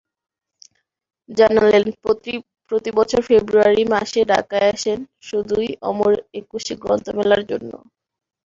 জানালেন, প্রতিবছর ফেব্রুয়ারি মাসে ঢাকায় আসেন শুধুই অমর একুশে গ্রন্থমেলার জন্য।